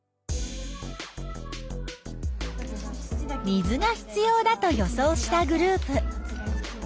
水が必要だと予想したグループ。